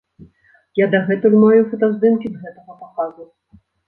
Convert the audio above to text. Я дагэтуль маю фотаздымкі з гэтага паказу.